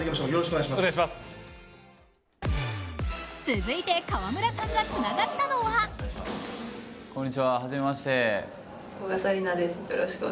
続いて、川村さんがつながったのはこんにちは、はじめまして。